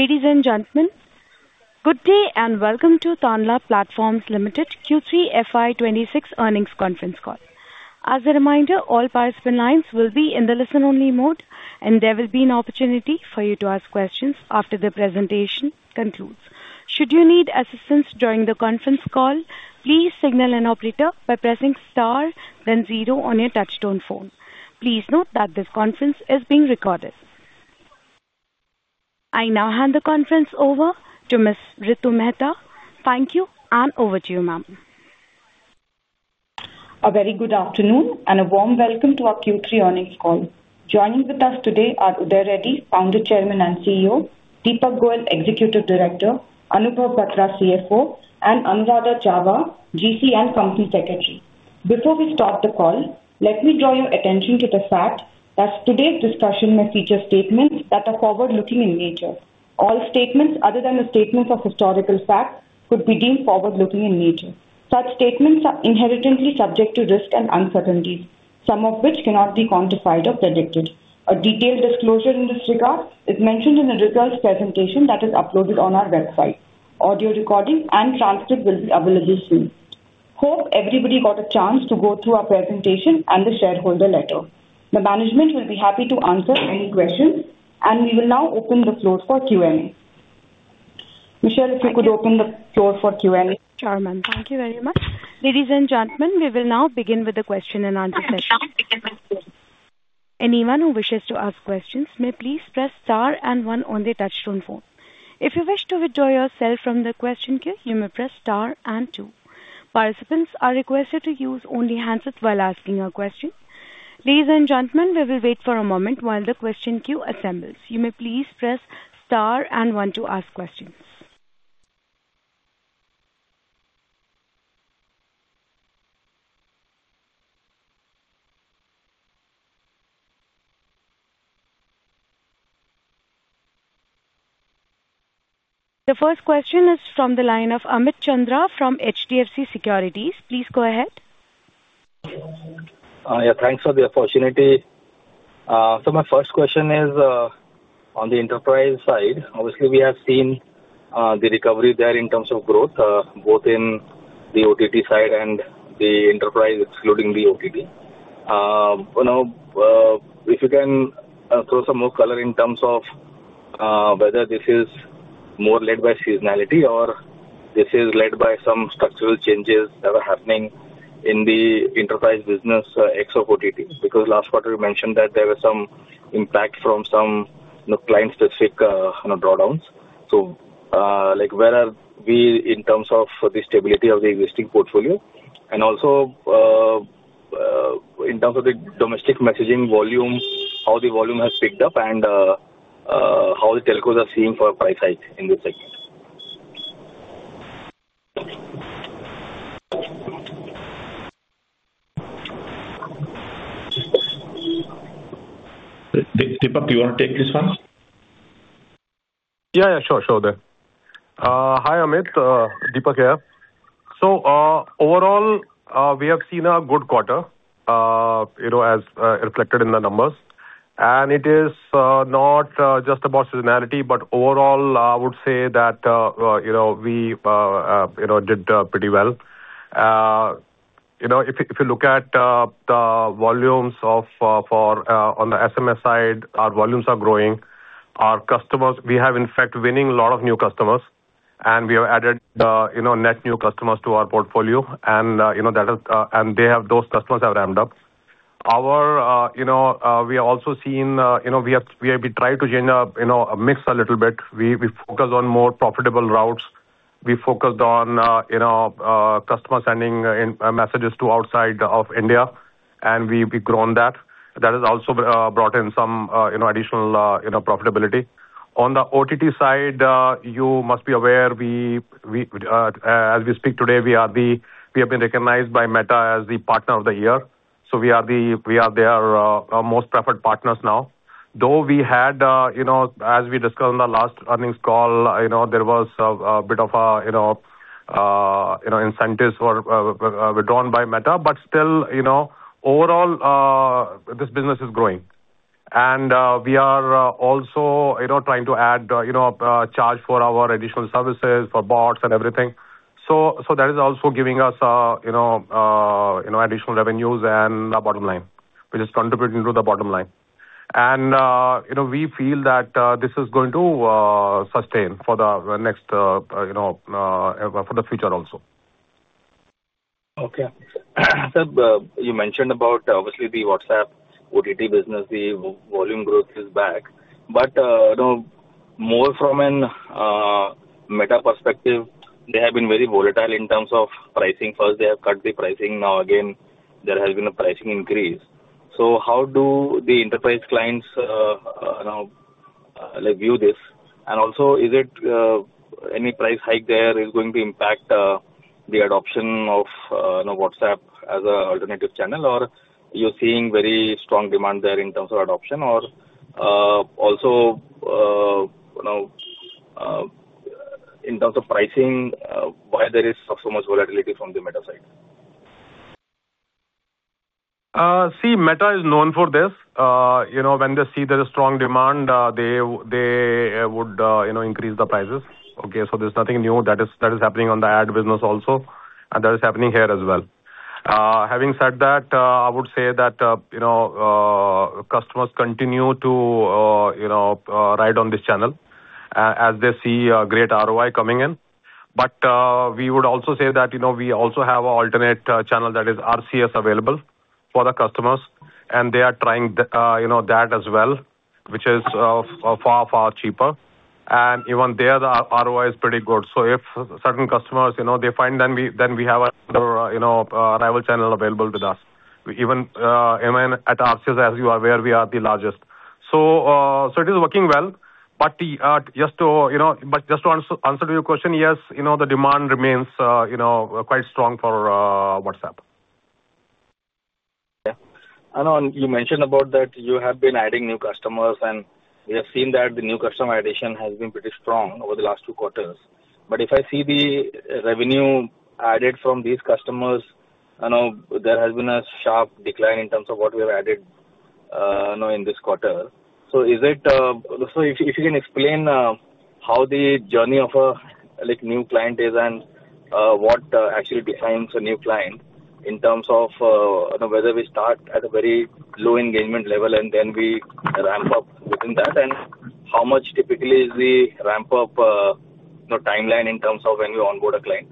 Ladies and gentlemen, good day and welcome to Tanla Platforms Limited Q3 FY 2026 Earnings Conference Call. As a reminder, all participant lines will be in the listen-only mode, and there will be an opportunity for you to ask questions after the presentation concludes. Should you need assistance during the conference call, please signal an operator by pressing star, then zero on your touch-tone phone. Please note that this conference is being recorded. I now hand the conference over to Ms. Ritu Mehta. Thank you, and over to you, ma'am. A very good afternoon and a warm welcome to our Q3 earnings call. Joining with us today are Uday Reddy, Founder, Chairman and CEO, Deepak Goyal, Executive Director, Anupam Bhatra, CFO, and Anuradha Chava, GC and Company Secretary. Before we start the call, let me draw your attention to the fact that today's discussion may feature statements that are forward-looking in nature. All statements, other than the statements of historical facts, could be deemed forward-looking in nature. Such statements are inherently subject to risk and uncertainties, some of which cannot be quantified or predicted. A detailed disclosure in this regard is mentioned in the results presentation that is uploaded on our website. Audio recording and transcript will be available soon. Hope everybody got a chance to go through our presentation and the shareholder letter. The management will be happy to answer any questions, and we will now open the floor for Q&A. Michelle, if you could open the floor for Q&A. Chairman Thank you very much. Ladies and gentlemen, we will now begin with the question and answer session. Anyone who wishes to ask questions may please press star and one on the touch-tone phone. If you wish to withdraw yourself from the question queue, you may press star and two. Participants are requested to use only the handset while asking a question. Ladies and gentlemen, we will wait for a moment while the question queue assembles. You may please press star and one to ask questions. The first question is from the line of Amit Chandra from HDFC Securities. Please go ahead. Yeah, thanks for the opportunity. So my first question is on the enterprise side. Obviously, we have seen the recovery there in terms of growth, both in the OTT side and the enterprise, excluding the OTT. If you can throw some more color in terms of whether this is more led by seasonality or this is led by some structural changes that are happening in the enterprise business except OTT, because last quarter we mentioned that there was some impact from some client-specific drawdowns. So where are we in terms of the stability of the existing portfolio? And also in terms of the domestic messaging volume, how the volume has picked up and how the telcos are seeing for price hike in this segment. Deepak, you want to take this one? Yeah, yeah, sure, sure. Hi, Amit. Deepak here. So overall, we have seen a good quarter, as reflected in the numbers, and it is not just about seasonality, but overall, I would say that we did pretty well. If you look at the volumes on the SMS side, our volumes are growing. We have, in fact, winning a lot of new customers, and we have added net new customers to our portfolio, and those customers have ramped up. We have also tried to mix a little bit. We focused on more profitable routes. We focused on customers sending messages to outside of India, and we've grown that. That has also brought in some additional profitability. On the OTT side, you must be aware, as we speak today, we have been recognized by Meta as the Partner of the Year. So we are their most preferred partners now. Though we had, as we discussed on the last earnings call, there was a bit of incentives withdrawn by Meta. But still, overall, this business is growing. And we are also trying to add charge for our additional services for bots and everything. So that is also giving us additional revenues and bottom line, which is contributing to the bottom line. And we feel that this is going to sustain for the next for the future also. Okay. You mentioned about, obviously, the WhatsApp OTT business, the volume growth is back. But more from a Meta perspective, they have been very volatile in terms of pricing. First, they have cut the pricing. Now, again, there has been a pricing increase. So how do the enterprise clients view this? And also, is it any price hike there is going to impact the adoption of WhatsApp as an alternative channel? Or are you seeing very strong demand there in terms of adoption? Or also, in terms of pricing, why there is so much volatility from the Meta side? See, Meta is known for this. When they see there is strong demand, they would increase the prices. Okay, so there's nothing new that is happening on the ad business also, and that is happening here as well. Having said that, I would say that customers continue to ride on this channel as they see great ROI coming in. But we would also say that we also have an alternate channel that is RCS available for the customers, and they are trying that as well, which is far, far cheaper. And even there, the ROI is pretty good. So if certain customers find, then we have another rival channel available with us. Even at RCS, as you are aware, we are the largest. So it is working well. But just to answer your question, yes, the demand remains quite strong for WhatsApp. Yeah. You mentioned about that you have been adding new customers, and we have seen that the new customer addition has been pretty strong over the last two quarters. But if I see the revenue added from these customers, there has been a sharp decline in terms of what we have added in this quarter. So if you can explain how the journey of a new client is and what actually defines a new client in terms of whether we start at a very low engagement level and then we ramp up within that, and how much typically is the ramp-up timeline in terms of when we onboard a client?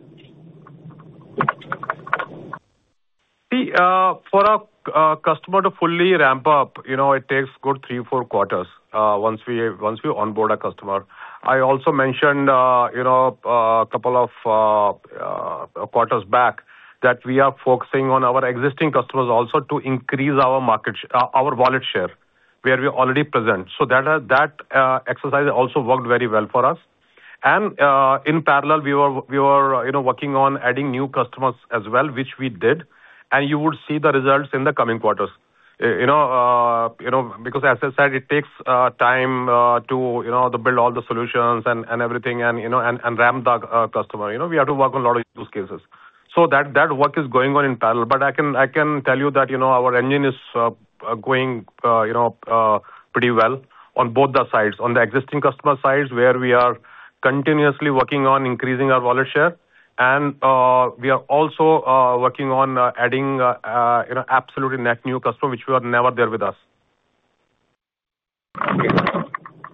See, for a customer to fully ramp up, it takes a good three or four quarters once we onboard a customer. I also mentioned a couple of quarters back that we are focusing on our existing customers also to increase our wallet share where we are already present. So that exercise also worked very well for us. And in parallel, we were working on adding new customers as well, which we did. And you would see the results in the coming quarters. Because, as I said, it takes time to build all the solutions and everything and ramp the customer. We have to work on a lot of use cases. So that work is going on in parallel. But I can tell you that our engine is going pretty well on both the sides, on the existing customer sides, where we are continuously working on increasing our wallet share. We are also working on adding absolutely net new customers, which were never there with us.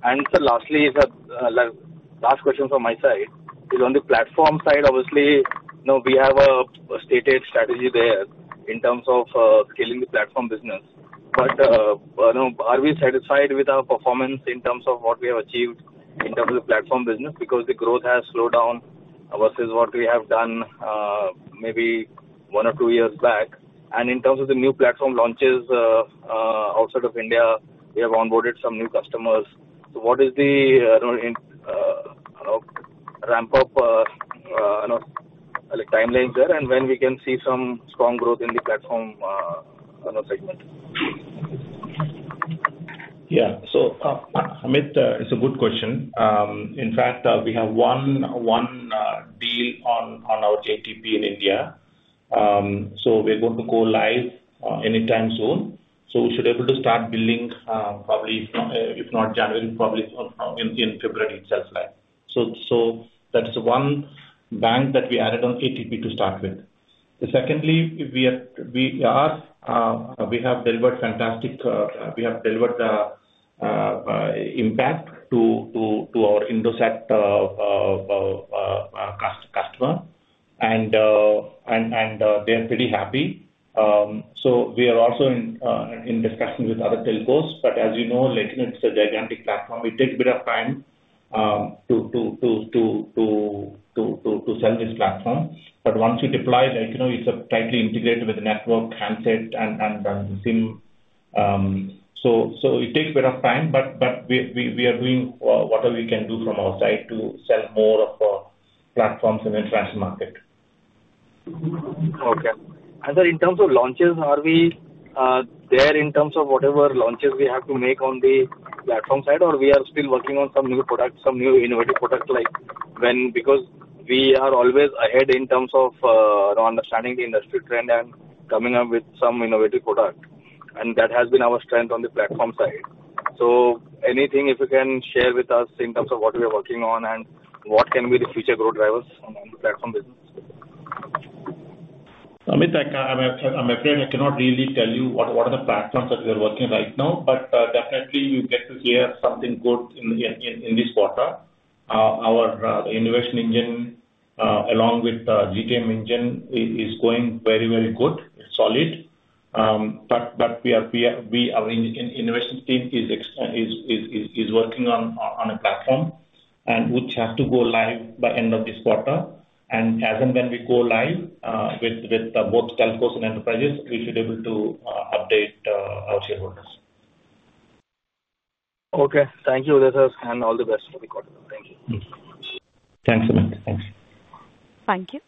And lastly, last question from my side, on the platform side, obviously, we have a stated strategy there in terms of scaling the platform business. But are we satisfied with our performance in terms of what we have achieved in terms of the platform business? Because the growth has slowed down versus what we have done maybe one or two years back. And in terms of the new platform launches outside of India, we have onboarded some new customers. So what is the ramp-up timeline there, and when we can see some strong growth in the platform segment? Yeah. So Amit, it's a good question. In fact, we have one deal on our ATP in India. So we're going to go live anytime soon. So we should be able to start building probably, if not January, probably in February itself. So that's one bank that we added on ATP to start with. Secondly, we have delivered fantastic impact to our Indosat customer, and they are pretty happy. So we are also in discussion with other telcos. But as you know, it's a gigantic platform. It takes a bit of time to sell this platform. But once you deploy, it's a tightly integrated with the network, handset, and SIM. So it takes a bit of time, but we are doing whatever we can do from our side to sell more of our platforms in the international market. Okay. And so in terms of launches, are we there in terms of whatever launches we have to make on the platform side, or we are still working on some new products, some new innovative products? Because we are always ahead in terms of understanding the industry trend and coming up with some innovative products. And that has been our strength on the platform side. So anything if you can share with us in terms of what we are working on and what can be the future growth drivers on the platform business? Amit, I'm afraid I cannot really tell you what are the platforms that we are working on right now, but definitely, you get to hear something good in this quarter. Our innovation engine, along with the GTM engine, is going very, very good. It's solid. But our innovation team is working on a platform, and we have to go live by the end of this quarter. And as and when we go live with both telcos and enterprises, we should be able to update our shareholders. Okay. Thank you, Uday sir, and all the best for the quarter. Thank you. Thanks, Amit. Thanks. Thank you.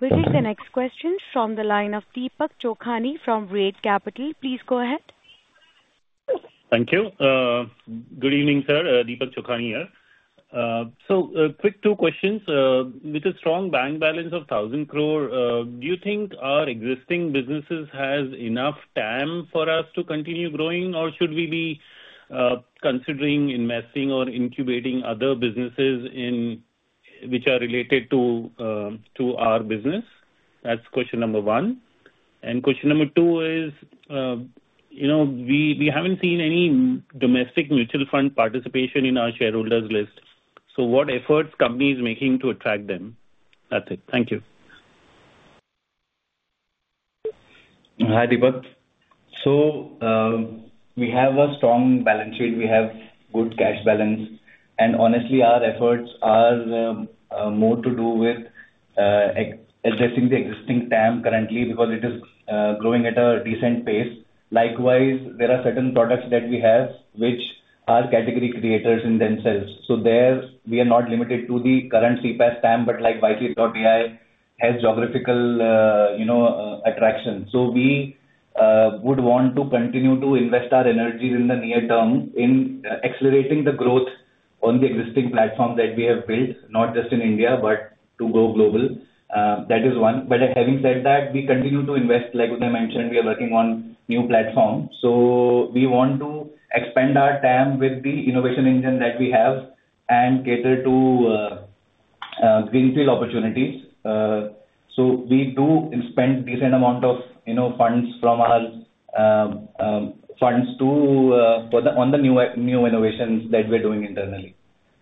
We'll take the next question from the line of Deepak Chokhani from Ability Capital. Please go ahead. Thank you. Good evening, sir. Deepak Chokhani here. So quick two questions. With a strong bank balance of 1,000 crore, do you think our existing businesses have enough time for us to continue growing, or should we be considering investing or incubating other businesses which are related to our business? That's question number one. And question number two is we haven't seen any domestic mutual fund participation in our shareholders' list. So what efforts are companies making to attract them? That's it. Thank you. Hi, Deepak. So we have a strong balance sheet. We have good cash balance. And honestly, our efforts are more to do with addressing the existing TAM currently because it is growing at a decent pace. Likewise, there are certain products that we have which are category creators in themselves. So there, we are not limited to the current CPaaS TAM, but Wisely.ai has geographical attraction. So we would want to continue to invest our energy in the near term in accelerating the growth on the existing platform that we have built, not just in India, but to go global. That is one. But having said that, we continue to invest. Like Uday mentioned, we are working on a new platform. So we want to expand our TAM with the innovation engine that we have and cater to greenfield opportunities. So we do spend a decent amount of funds from our funds on the new innovations that we are doing internally.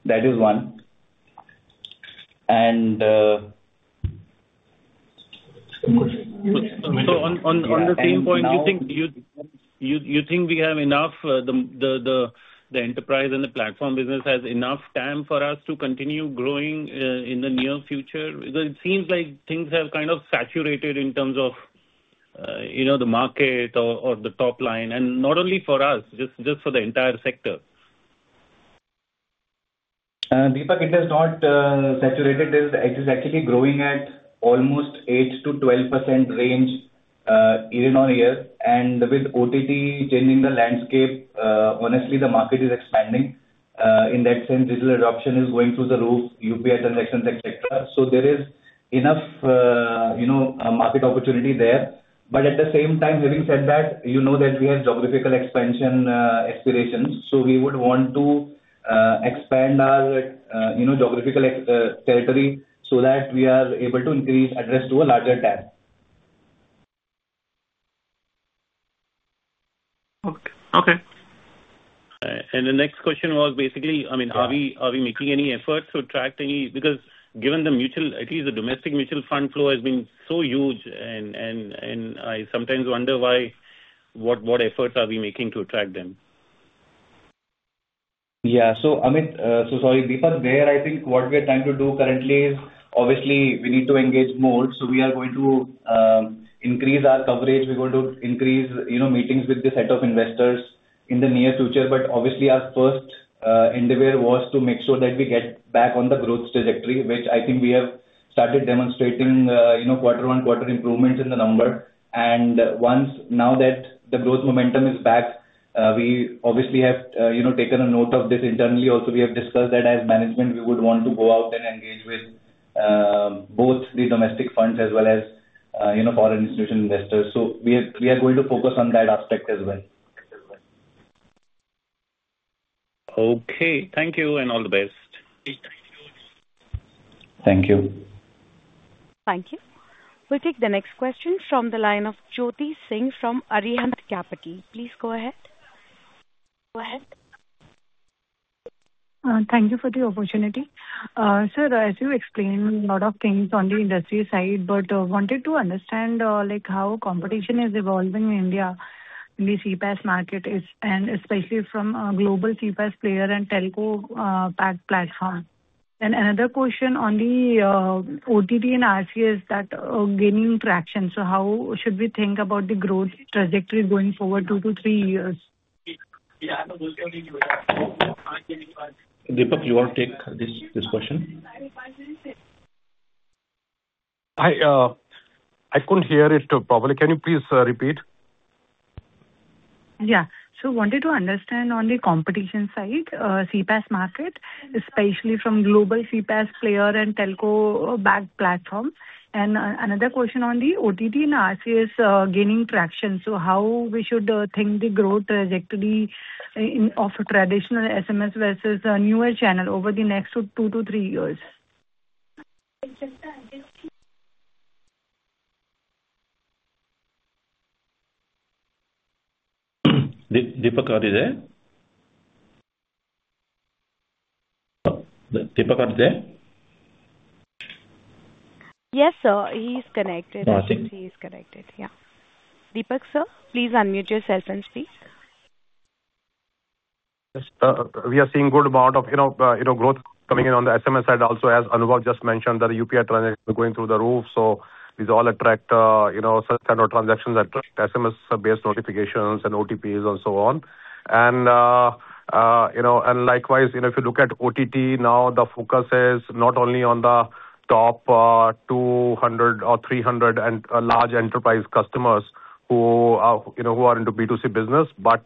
That is one. And. On the same point, you think we have enough? The enterprise and the platform business have enough TAM for us to continue growing in the near future? It seems like things have kind of saturated in terms of the market or the top line, and not only for us, just for the entire sector. Deepak, it has not saturated. It is actually growing at almost 8%-12% range year on year, and with OTT changing the landscape, honestly, the market is expanding. In that sense, digital adoption is going through the roof, UPI transactions, etc., so there is enough market opportunity there, but at the same time, having said that, you know that we have geographical expansion aspirations, so we would want to expand our geographical territory so that we are able to increase access to a larger TAM. Okay. And the next question was basically, I mean, are we making any efforts to attract any? Because given the mutual, at least the domestic mutual fund flow has been so huge, and I sometimes wonder what efforts are we making to attract them. Yeah. So Amit, so sorry, Deepak, there, I think what we are trying to do currently is, obviously, we need to engage more. So we are going to increase our coverage. We're going to increase meetings with the set of investors in the near future. But obviously, our first endeavor was to make sure that we get back on the growth trajectory, which I think we have started demonstrating quarter-on-quarter improvements in the number. And now that the growth momentum is back, we obviously have taken a note of this internally. Also, we have discussed that as management, we would want to go out and engage with both the domestic funds as well as foreign institution investors. So we are going to focus on that aspect as well. Okay. Thank you, and all the best. Thank you. Thank you. We'll take the next question from the line of Jyoti Singh from Arihant Capital. Please go ahead. Go ahead. Thank you for the opportunity. Sir, as you explained, a lot of things on the industry side, but wanted to understand how competition is evolving in India, in the CPaaS market, and especially from a global CPaaS player and telco platform, and another question on the OTT and RCS that are gaining traction, so how should we think about the growth trajectory going forward two to three years? Deepak, you want to take this question? I couldn't hear it properly. Can you please repeat? Yeah. So wanted to understand on the competition side, CPaaS market, especially from global CPaaS player and telco backed platform. And another question on the OTT and RCS gaining traction. So how we should think the growth trajectory of traditional SMS versus newer channel over the next two to three years? Deepak Goyal, are you there? Deepak Goyal, are you there? Yes, sir. He's connected. Oh, I see. He is connected. Yeah. Deepak sir, please unmute yourself and speak. We are seeing a good amount of growth coming in on the SMS side also, as Anuradha just mentioned, that the UPI transactions are going through the roof, so these all attract certain transactions that attract SMS-based notifications and OTPs and so on, and likewise, if you look at OTT, now the focus is not only on the top 200 or 300 large enterprise customers who are into B2C business, but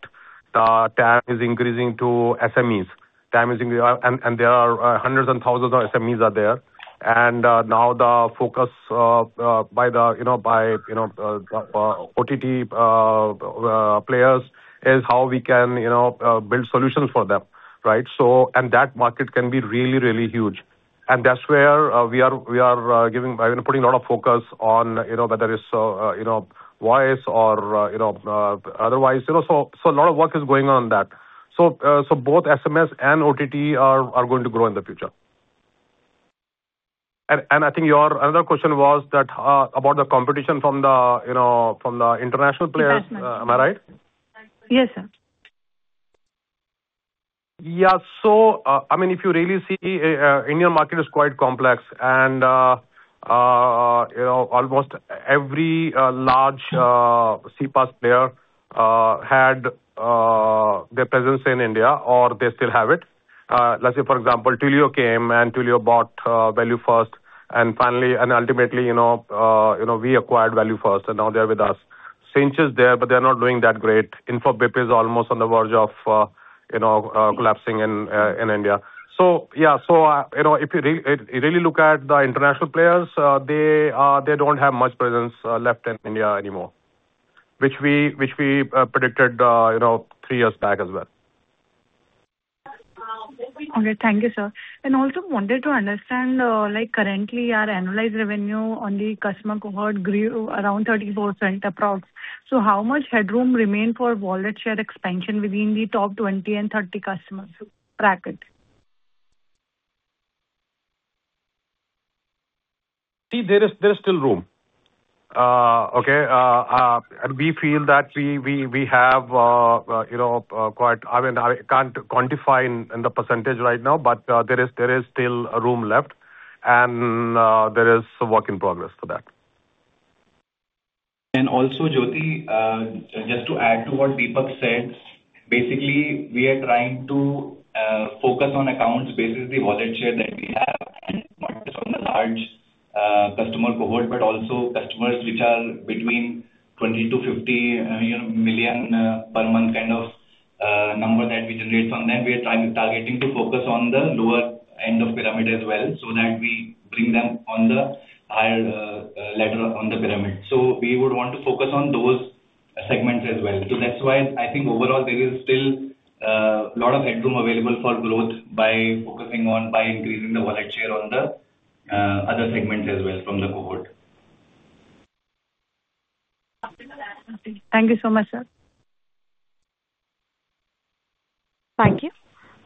TAM is increasing to SMEs, and there are hundreds and thousands of SMEs there, and now the focus by OTT players is how we can build solutions for them, right, and that market can be really, really huge, and that's where we are putting a lot of focus on whether it's voice or otherwise, so a lot of work is going on that, so both SMS and OTT are going to grow in the future. I think your other question was about the competition from the international players. International. Am I right? Yes, sir. Yeah. So I mean, if you really see, the Indian market is quite complex. And almost every large CPaaS player had their presence in India, or they still have it. Let's say, for example, Twilio came, and Twilio bought ValueFirst. And ultimately, we acquired ValueFirst, and now they're with us. Since it's there, but they're not doing that great. Infobip is almost on the verge of collapsing in India. So yeah. So if you really look at the international players, they don't have much presence left in India anymore, which we predicted three years back as well. Okay. Thank you, sir. And also wanted to understand, currently, our annualized revenue on the customer cohort grew around 30% approximately. So how much headroom remains for wallet share expansion within the top 20 and 30 customers bracket? See, there is still room. Okay. And we feel that we have quite, I mean, I can't quantify in the percentage right now, but there is still room left, and there is work in progress for that. And also, Jyoti, just to add to what Deepak said, basically, we are trying to focus on accounts, basically wallet share that we have, and not just on the large customer cohort, but also customers which are between 20-50 million per month kind of number that we generate. So then we are targeting to focus on the lower end of the pyramid as well so that we bring them on the higher ladder on the pyramid. So we would want to focus on those segments as well. So that's why I think overall, there is still a lot of headroom available for growth by focusing on increasing the wallet share on the other segments as well from the cohort. Thank you so much, sir. Thank you.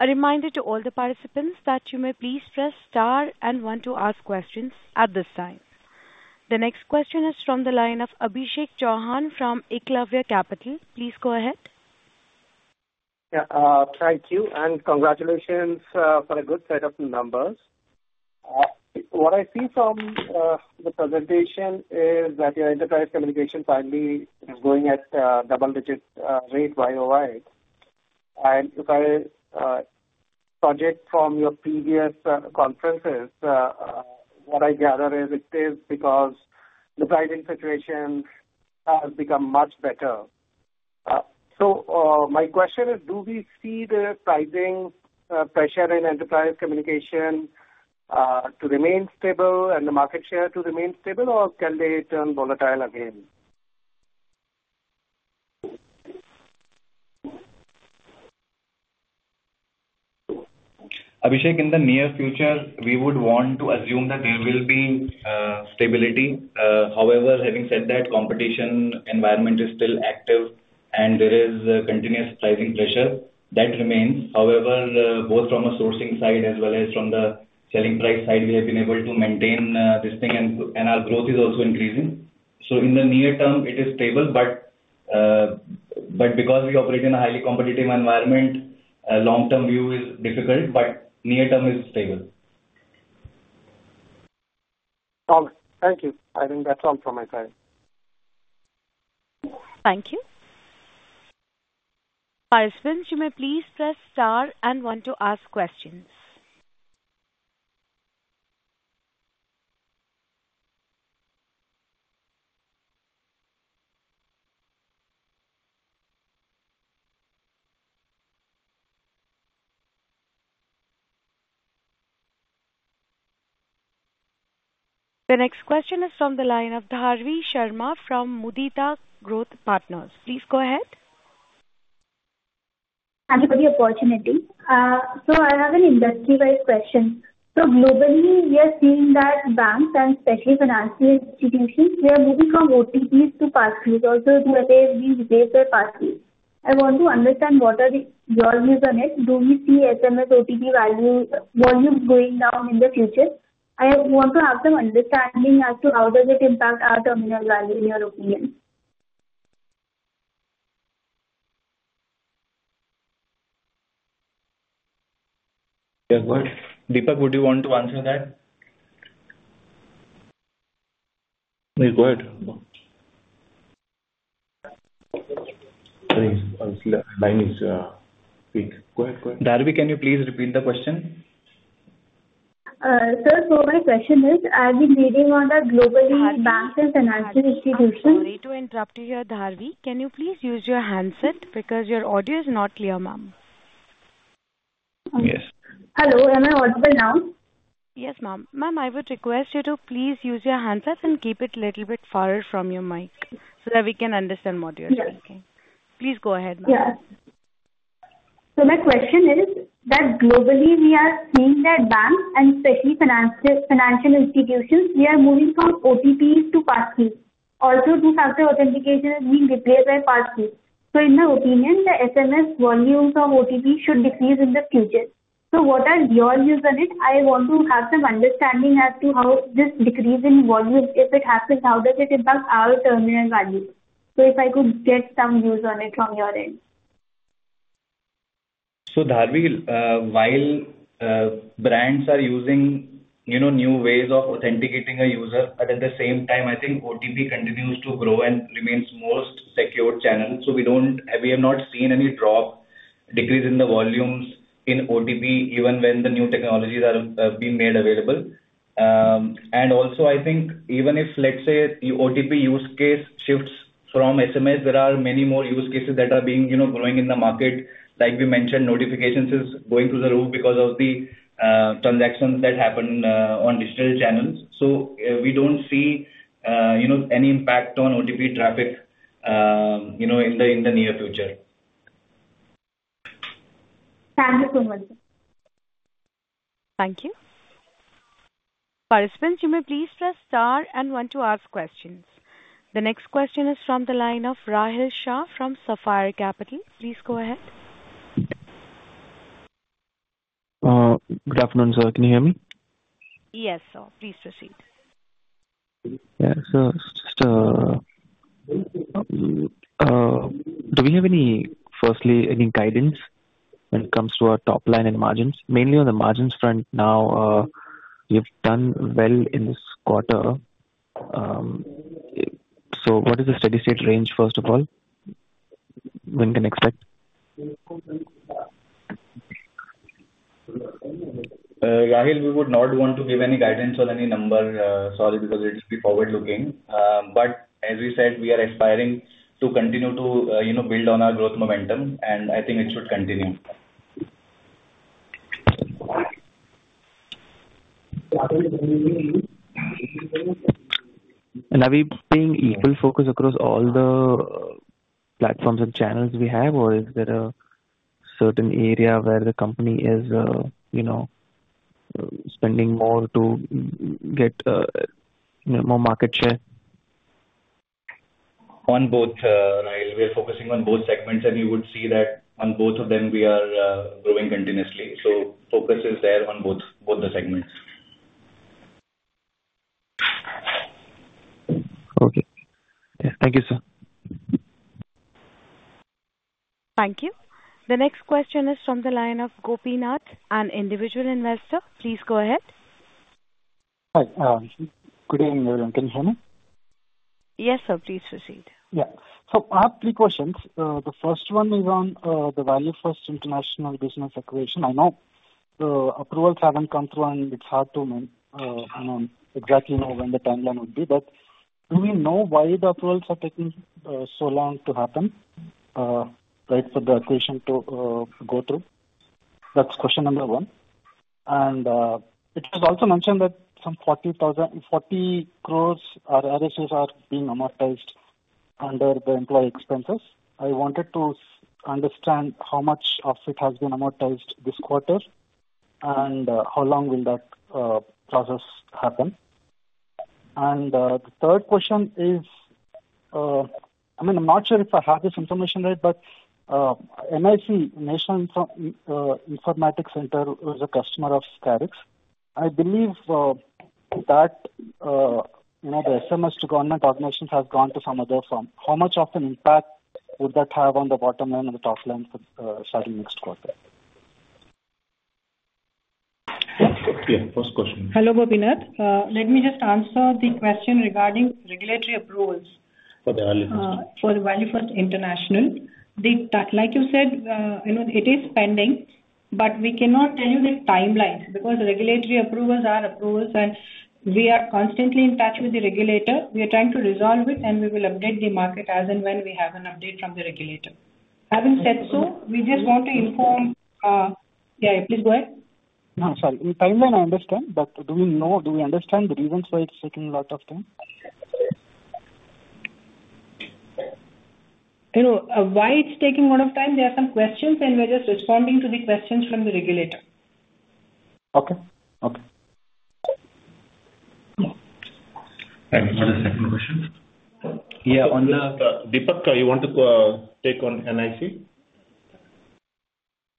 A reminder to all the participants that you may please press star and want to ask questions at this time. The next question is from the line of Abhishek Chauhan from Eklavya Capital. Please go ahead. Yeah. Thank you. And congratulations for a good set of numbers. What I see from the presentation is that your enterprise communication finally is going at a double-digit rate right away. And if I project from your previous conferences, what I gather is it is because the pricing situation has become much better. So my question is, do we see the pricing pressure in enterprise communication to remain stable and the market share to remain stable, or can they turn volatile again? Abhishek, in the near future, we would want to assume that there will be stability. However, having said that, competition environment is still active, and there is continuous pricing pressure that remains. However, both from a sourcing side as well as from the selling price side, we have been able to maintain this thing, and our growth is also increasing. So in the near term, it is stable. But because we operate in a highly competitive environment, long-term view is difficult, but near term is stable. Thank you. I think that's all from my side. Thank you. Parshvin, you may please press star and want to ask questions. The next question is from the line of Dharvi Sharma from Mudita Growth Partners. Please go ahead. Thank you for the opportunity. So I have an industry-wide question. So globally, we are seeing that banks and especially financial institutions, they are moving from OTPs to pass-throughs. Also, do they replace their pass-throughs? I want to understand what are your views on it. Do we see SMS OTP volumes going down in the future? I want to have some understanding as to how does it impact our terminal value, in your opinion. Deepak, would you want to answer that? Go ahead. Dharvi, can you please repeat the question? Sir, so my question is, are we moving on the global banks and financial institutions? Sorry to interrupt you here, Dharvi. Can you please use your handset because your audio is not clear, ma'am? Yes. Hello. Am I audible now? Yes, ma'am. Ma'am, I would request you to please use your handset and keep it a little bit far from your mic so that we can understand what you're saying. Yes. Please go ahead, ma'am. Yes. So my question is that globally, we are seeing that banks and especially financial institutions, they are moving from OTPs to pass-throughs. Also, two-factor authentication is being replaced by pass-throughs. So in my opinion, the SMS volumes of OTPs should decrease in the future. So what are your views on it? I want to have some understanding as to how this decrease in volume, if it happens, how does it impact our terminal value. So if I could get some views on it from your end. So Dharvi, while brands are using new ways of authenticating a user, at the same time, I think OTP continues to grow and remains the most secure channel. So we have not seen any drop, decrease in the volumes in OTP, even when the new technologies are being made available. And also, I think even if, let's say, the OTP use case shifts from SMS, there are many more use cases that are being growing in the market. Like we mentioned, notifications are going through the roof because of the transactions that happen on digital channels. So we don't see any impact on OTP traffic in the near future. Thank you so much, sir. Thank you. Parshvin, you may please press star one to ask questions. The next question is from the line of Rahil Shah from Sapphire Capital. Please go ahead. Good afternoon, sir. Can you hear me? Yes, sir. Please proceed. Yeah. So just do we have any, firstly, any guidance when it comes to our top line and margins? Mainly on the margins front now, we have done well in this quarter. So what is the steady-state range, first of all? When can we expect? Rahil, we would not want to give any guidance on any number. Sorry, because it will be forward-looking. But as we said, we are aspiring to continue to build on our growth momentum, and I think it should continue. Are we paying equal focus across all the platforms and channels we have, or is there a certain area where the company is spending more to get more market share? On both. We are focusing on both segments, and you would see that on both of them, we are growing continuously, so focus is there on both the segments. Okay. Yeah. Thank you, sir. Thank you. The next question is from the line of Gopinath, an individual investor. Please go ahead. Hi. Good evening, everyone. Can you hear me? Yes, sir. Please proceed. Yeah, so I have three questions. The first one is on the ValueFirst international business acquisition. I know the approvals haven't come through, and it's hard to exactly know when the timeline will be. But do we know why the approvals are taking so long to happen, right, for the acquisition to go through? That is question number one. And it was also mentioned that some 40 crores of RSAs are being amortized under the employee expenses. I wanted to understand how much of it has been amortized this quarter and how long will that process happen. And the third question is, I mean, I am not sure if I have this information right, but NIC, National Informatics Center, is a customer of Karix. I believe that the SMS to government organizations has gone to some other firm. How much of an impact would that have on the bottom line and the top line starting next quarter? Yeah. First question. Hello, Gopinath. Let me just answer the question regarding regulatory approvals for the ValueFirst international. Like you said, it is pending, but we cannot tell you the timeline because regulatory approvals are approvals, and we are constantly in touch with the regulator. We are trying to resolve it, and we will update the market as and when we have an update from the regulator. Having said so, we just want to inform. Yeah. Please go ahead. No, sorry. In timeline, I understand, but do we know? Do we understand the reasons why it's taking a lot of time? Why it's taking a lot of time? There are some questions, and we're just responding to the questions from the regulator. Okay. Okay. I have another second question. Yeah. On the Deepak, you want to take on NIC?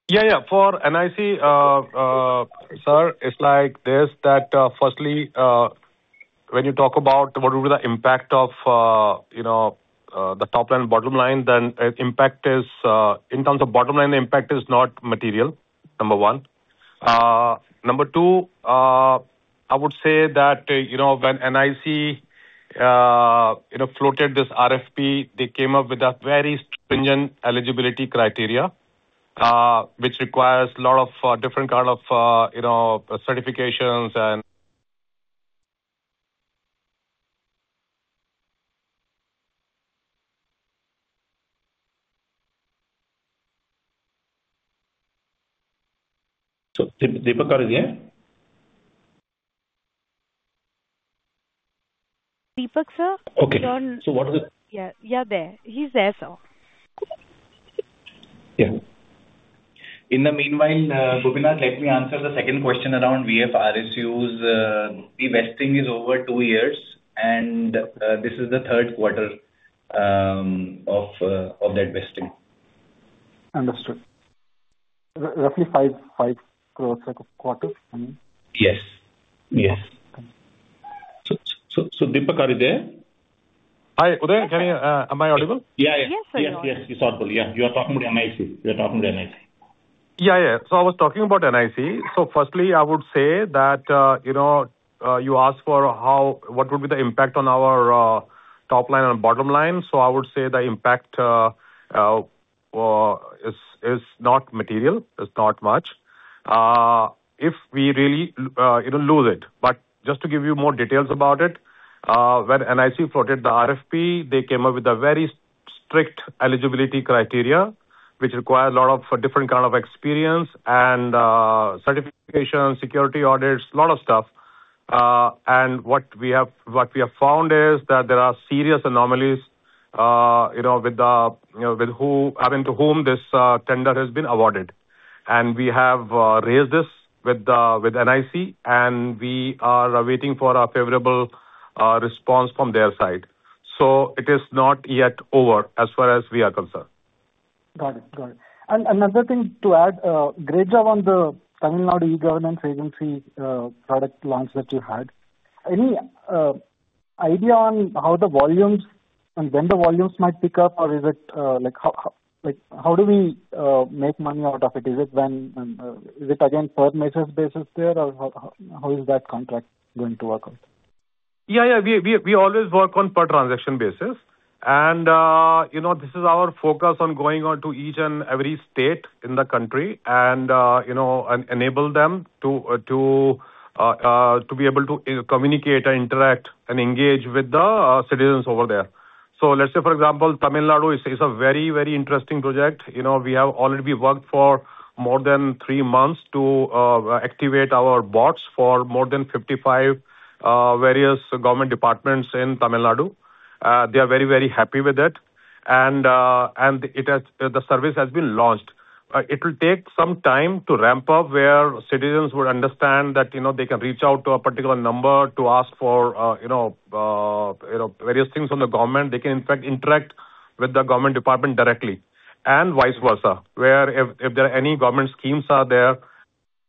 Yeah. Yeah. For NIC, sir, it's like this. That firstly, when you talk about what would be the impact of the top line and bottom line, then the impact is in terms of bottom line, the impact is not material, number one. Number two, I would say that when NIC floated this RFP, they came up with a very stringent eligibility criteria, which requires a lot of different kinds of certifications and. So Deepak is here? Deepak, sir? Okay, so what is it? Yeah. You're there. He's there, sir. Yeah. In the meanwhile, Gopinath, let me answer the second question around VF RSUs. The vesting is over two years, and this is the third quarter of that vesting. Understood. Roughly 5 crores a quarter, I mean? Yes. Yes, so Deepak, are you there? Hi. Uday, am I audible? Yeah. Yeah. Yes, sir. Yes. Yes. You're audible. Yeah. You are talking about NIC. Yeah. Yeah. So I was talking about NIC. So firstly, I would say that you asked for what would be the impact on our top line and bottom line. So I would say the impact is not material. It's not much if we really lose it. But just to give you more details about it, when NIC floated the RFP, they came up with a very strict eligibility criteria, which requires a lot of different kinds of experience and certification, security audits, a lot of stuff. And what we have found is that there are serious anomalies as to whom this tender has been awarded. And we have raised this with NIC, and we are waiting for a favorable response from their side. So it is not yet over as far as we are concerned. Got it. Got it. And another thing to add, great job on the Tamil Nadu e-Governance Agency product launch that you had. Any idea on how the volumes and when the volumes might pick up, or is it how do we make money out of it? Is it again per message basis there, or how is that contract going to work out? Yeah. Yeah. We always work on per transaction basis, and this is our focus on going on to each and every state in the country and enable them to be able to communicate and interact and engage with the citizens over there. Let's say, for example, Tamil Nadu is a very, very interesting project. We have already worked for more than three months to activate our bots for more than 55 various government departments in Tamil Nadu. They are very, very happy with it. And the service has been launched. It will take some time to ramp up where citizens would understand that they can reach out to a particular number to ask for various things from the government. They can, in fact, interact with the government department directly and vice versa, where if there are any government schemes out there,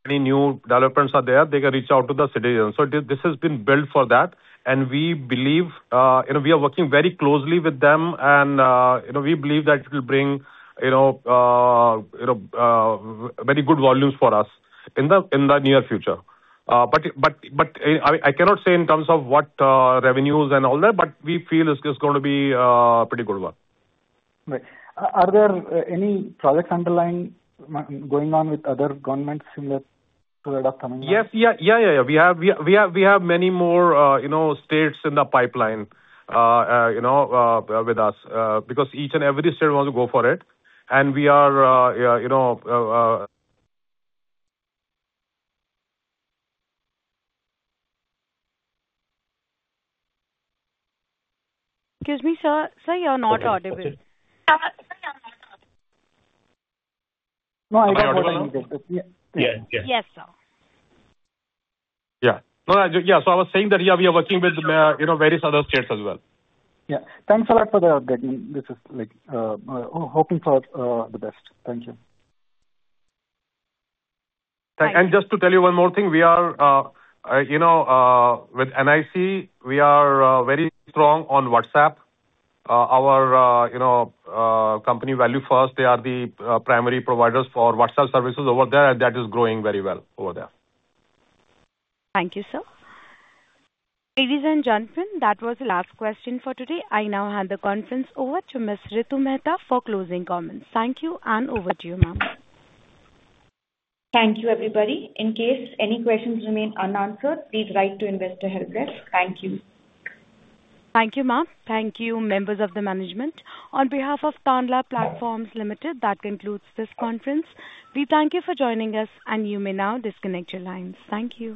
any new developments out there, they can reach out to the citizens. So this has been built for that. And we believe we are working very closely with them, and we believe that it will bring very good volumes for us in the near future. But I cannot say in terms of what revenues and all that, but we feel it's going to be a pretty good one. Right. Are there any projects underway going on with other governments similar to that of Tamil Nadu? Yes. Yeah. We have many more states in the pipeline with us because each and every state wants to go for it, and we are. Excuse me, sir. Sorry, you're not audible. No, I got it. Yeah. Yeah. Yes, sir. Yeah. Yeah. So I was saying that, yeah, we are working with various other states as well. Yeah. Thanks a lot for the update. This is hoping for the best. Thank you. Just to tell you one more thing, we are with NIC. We are very strong on WhatsApp. Our company, ValueFirst, they are the primary providers for WhatsApp services over there, and that is growing very well over there. Thank you, sir. Ladies and gentlemen, that was the last question for today. I now hand the conference over to Ms. Ritu Mehta for closing comments. Thank you, and over to you, ma'am. Thank you, everybody. In case any questions remain unanswered, please write to Investor Helpdesk. Thank you. Thank you, ma'am. Thank you, members of the management. On behalf of Tanla Platforms Limited, that concludes this conference. We thank you for joining us, and you may now disconnect your lines. Thank you.